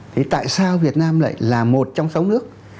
thì tại sao việt nam lại là một trong sáu nước